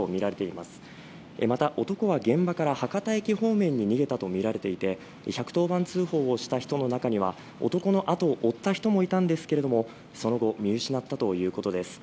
また男は現場から博多駅方面に逃げたとみられていて１１０番通報をした人の中には男の後を追った人もいたんですけれどもその後、見失ったということです。